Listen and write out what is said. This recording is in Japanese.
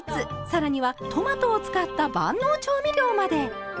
更にはトマトを使った万能調味料まで！